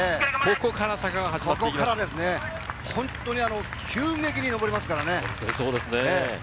ここから坂が始まってい本当に急激に上りますからね。